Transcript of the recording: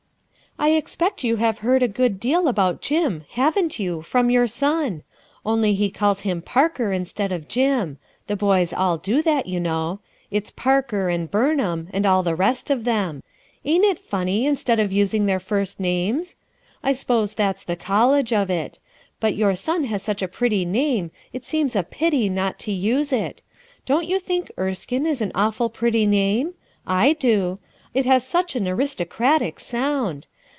"I expect you have heard a good deal about Jim, haven't you, from your son? Only h e calls him ' Parker' instead of Jim; the boys all do that, you know. I t's' Parker, ' and ' Burnham, ' and all the rest of them. Ain't it funny, i n _ stead of using their first names ? I s'poso that's the college of it ; but your son has such a pretty name it seems a pity not to use it. Don't you think Erskine is an awful pretty name ? I do. It has such an aristocratic sound.